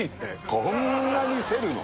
こんなに競るの？